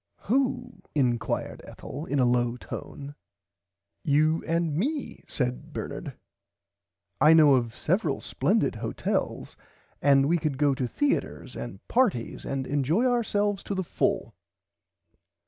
Who inquired Ethel in a low tone. You and me said Bernard I know of several splendid hotels and we could go to theaters and parties and enjoy ourselves to the full.